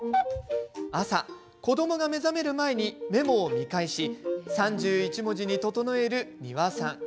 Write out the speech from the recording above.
朝、子どもが目覚める前にメモを見返し３１文字に整える丹羽さん。